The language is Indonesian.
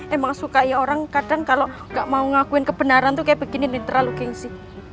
emang suka ya orang kadang kalau gak mau ngakuin kebenaran tuh kayak begini terlalu gengsi